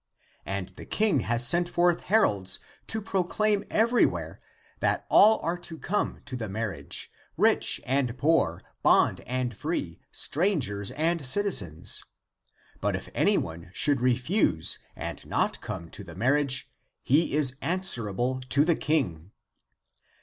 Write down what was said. And the King has sent forth heralds to proclaim every where that all are to come to the marriage, rich and poor, bond and free, strangers and citizens. But if anyone should refuse and not come to the marriage, he is answerable to the King.